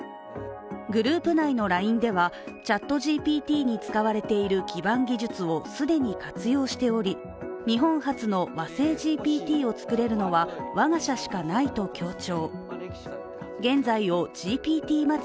グループ内のＬＩＮＥではＣｈａｔＧＰＴに使われている基盤技術を既に活用しており日本初の和製ＧＰＴを作れるのは我が社しかないと強調。